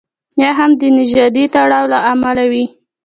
یا هم د نژادي تړاو له امله وي.